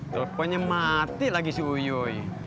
teleponnya mati lagi si uyuy